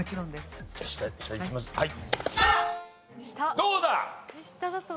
どうだ？